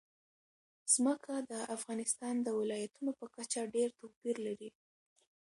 ځمکه د افغانستان د ولایاتو په کچه ډېر توپیر لري.